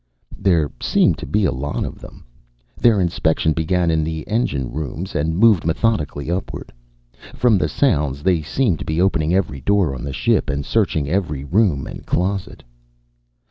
There seemed to be a lot of them. Their inspection began in the engine rooms, and moved methodically upward. From the sounds, they seemed to be opening every door on the ship and searching every room and closet.